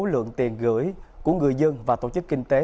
lượng tiền gửi của người dân và tổ chức kinh tế